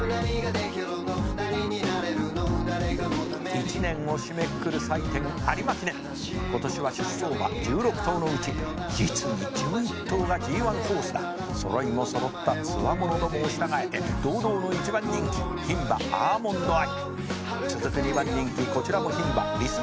「１年を締めくくる祭典有馬記念」「今年は出走馬１６頭のうち実に１１頭がＧⅠホースだ」「揃いも揃ったつわものどもを従えて堂々の１番人気牝馬」「続く２番人気こちらも牝馬」